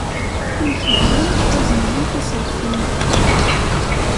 Imkebbren qqazen-iyi tiserfin.